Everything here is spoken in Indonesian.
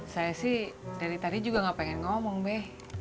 saya sih dari tadi juga gak pengen ngomong be